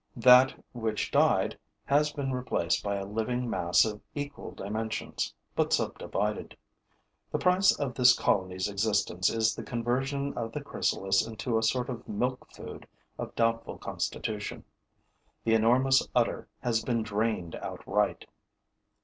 That which died has been replaced by a living mass of equal dimensions, but subdivided. The price of this colony's existence is the conversion of the chrysalis into a sort of milk food of doubtful constitution. The enormous udder has been drained outright.